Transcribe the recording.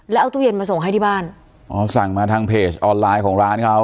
แล้วเอาตู้เย็นมาส่งให้ที่บ้านอ๋อสั่งมาทางเพจออนไลน์ของร้านเขา